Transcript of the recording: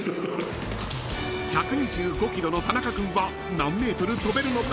［１２５ｋｇの田中君は何ｍ跳べるのか？］